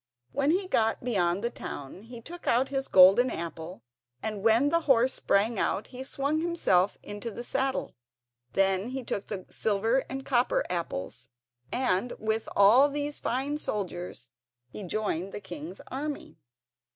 When he got beyond the town he took out his golden apple, and when the horse sprang out he swung himself into the saddle. Then he took the silver and the copper apples, and with all these fine soldiers he joined the king's army.